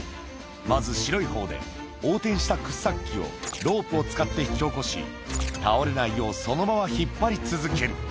まず白いほうで横転した掘削機をロープを使って引き起こし、倒れないようそのまま引っ張り続ける。